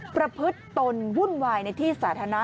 ประพฤติตนวุ่นวายในที่สาธารณะ